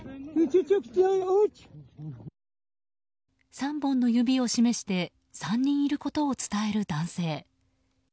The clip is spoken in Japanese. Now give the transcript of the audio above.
３本の指を示して３人いることを伝える男性。